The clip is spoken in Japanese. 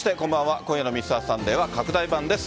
今夜のＭｒ．サンデーは拡大版です。